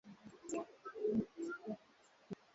Uki penda ku uza pango yako wende ku ofisi ya cadastre